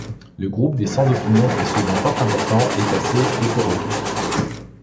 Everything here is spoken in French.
Le groupe des 'sans opinion' est souvent fort important et assez hétéroclite.